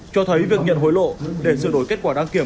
cho thấy việc nhận hối lộ để sửa đổi kết quả đăng kiểm